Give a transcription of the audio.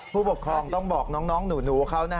ผู้ปกครองต้องบอกน้องหนูเขา